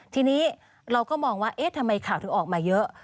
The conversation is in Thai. ทีนี้เราก็มองว่าเอ๊ะทำไมข่าวถึงออกมาเยอะ